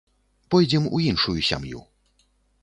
Пойдзем у іншую сям'ю.